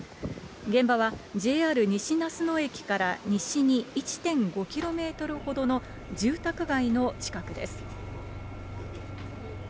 現場はＪＲ西那須野駅から西に１．５キロメートルほどの住宅街の近くです。